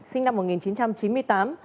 sinh năm một nghìn chín trăm chín mươi tám